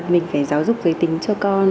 mình phải giáo dục giới tính cho con